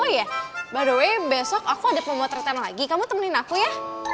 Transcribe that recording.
oh ya by the way besok aku ada pemotretan lagi kamu temenin aku ya